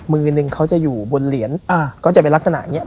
มือนึงเขาจะอยู่บนเหรียญก็จะเป็นลักษณะอย่างนี้